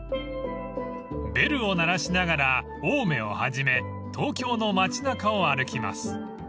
［ベルを鳴らしながら青梅をはじめ東京の街中を歩きます］